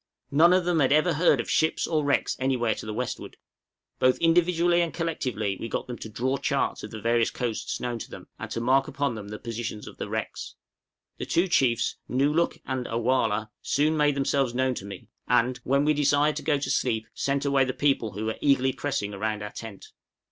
None of them had ever heard of ships or wrecks anywhere to the westward. Both individually and collectively we got them to draw charts of the various coasts known to them, and to mark upon them the positions of the wrecks. The two chiefs, Nōo luk and A wăh lah, soon made themselves known to me, and, when we desired to go to sleep, sent away the people who were eagerly pressing round our tent.